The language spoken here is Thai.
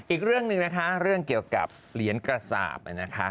อีกเรื่องหนึ่งนะคะเรื่องเกี่ยวกับเหรียญกระสาปนะคะ